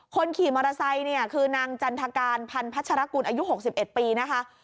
คนขี่มอเตอร์ไซค์เนี่ยคือนางจันทการพันพัชรกุลอายุ๖๑ปีนะคะ